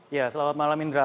ya selamat malam indra